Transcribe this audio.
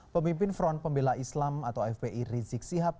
pemimpin front pembela islam atau fpi rizik sihab